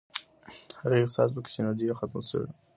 هغې احساس وکړ چې انرژي یې ختمه شوې.